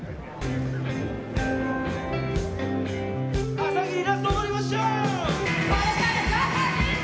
朝霧ラスト踊りましょう！